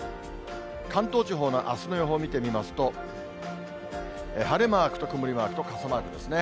関東地方のあすの予報を見てみますと、晴れマークと曇りマークと傘マークですね。